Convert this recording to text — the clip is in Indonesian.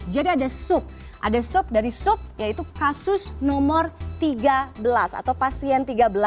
jadi ada sub ada sub dari sub yaitu kasus nomor tiga belas atau pasien tiga belas